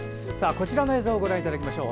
こちらの映像ご覧いただきましょう。